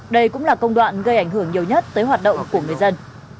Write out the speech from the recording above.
đây cũng là công đoạn gây ảnh hưởng nhiều nhất tới hoạt động của người dân